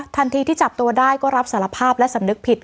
ที่จับตัวได้ก็รับสารภาพและสำนึกผิด